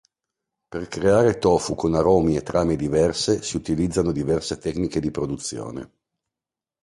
Per creare tofu con aromi e trame diverse si utilizzano diverse tecniche di produzione.